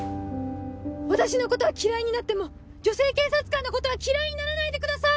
私のことは嫌いになっても女性警察官のことは嫌いにならないでください！